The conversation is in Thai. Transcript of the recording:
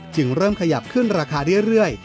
เริ่มขยับขึ้นราคาเรื่อย